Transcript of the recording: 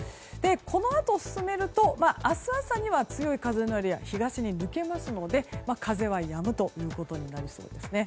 このあと、進めると明日朝には強い風のエリアは東に抜けるのでやむことになりそうです。